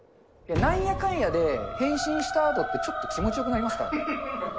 なんやかんやで変身したあとって、ちょっと気持ちよくなりますから。